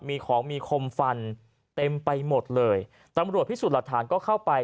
มีของมีคมฟันเต็มไปหมดเลยตำรวจพิสูจน์หลักฐานก็เข้าไป